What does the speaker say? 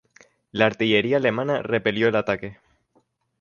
La artillería alemana repelió el ataque.